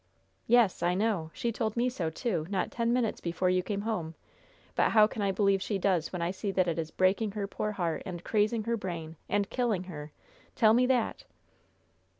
"Yes, I know. She told me so, too, not ten minutes before you came home. But how can I believe she does when I see that it is breaking her poor heart, and crazing her brain, and killing her? Tell me that."